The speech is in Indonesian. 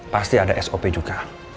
pasti ada sop juga